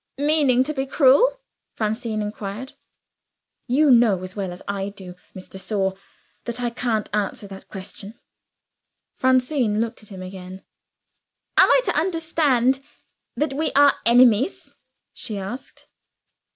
"Meaning to be cruel?" Francine inquired. "You know as well as I do, Miss de Sor, that I can't answer that question." Francine looked at him again "Am I to understand that we are enemies?" she asked.